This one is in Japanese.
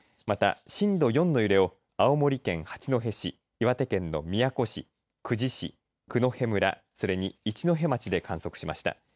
また、震度４の揺れを青森県八戸市岩手県の宮古市久慈市、九戸村それに一戸町で観測しました。